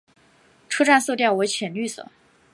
车站色调为浅绿色。